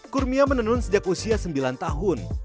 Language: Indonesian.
kurnia menenun sejak usia sembilan tahun